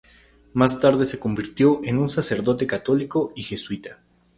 Más tarde se convirtió en un sacerdote católico y jesuita.